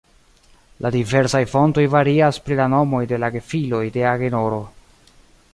La diversaj fontoj varias pri la nomoj de la gefiloj de Agenoro.